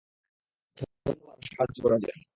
ধন্যবাদ আমাকে সাহায্য করার জন্য।